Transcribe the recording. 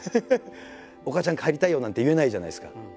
「お母ちゃん帰りたいよ」なんて言えないじゃないですか。